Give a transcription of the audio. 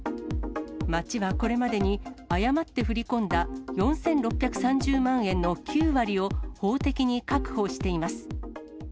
町はこれまでに、誤って振り込んだ４６３０万円の９割を法的に確保しています。